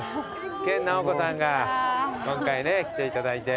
研ナオコさんが今回ね来ていただいて。